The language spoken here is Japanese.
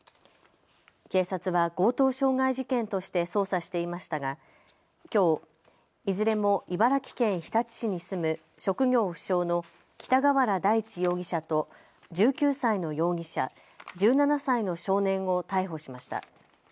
警察は強盗傷害事件として捜査していましたが、きょういずれも茨城県日立市に住む職業不詳の北河原大地容疑者と１９歳の容疑者、１７歳の少年を逮捕しました。